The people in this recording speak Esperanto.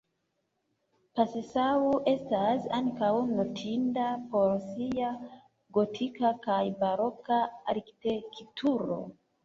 Passau estas ankaŭ notinda por sia gotika kaj baroka arkitekturo.